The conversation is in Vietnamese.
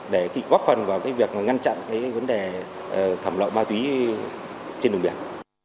để góp phần vào việc ngăn chặn vấn đề thẩm lọng ma túy trên đường biển